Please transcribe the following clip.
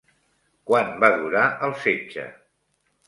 Quant va durar el setge?